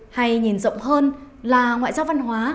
hay nhìn rộng hơn là ngoại giao văn hóa